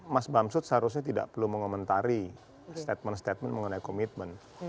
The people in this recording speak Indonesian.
mas bamsud seharusnya tidak perlu mengomentari statement statement mengenai komitmen